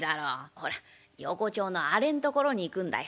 ほら横町のあれんところに行くんだよ。